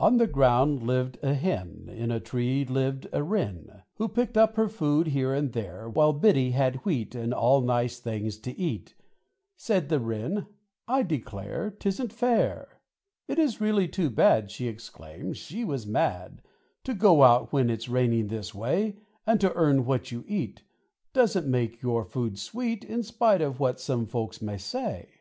On the ground lived a Hen, In a tree lived a Wren, Who picked up her food here and there; While Biddy had wheat And all nice things to eat Said the Wren, "I declare, 'tisn't fair! "It is really too bad!" She exclaimed she was mad "To go out when it's raining this way! And to earn what you eat, Doesn't make your food sweet, In spite of what some folks may say.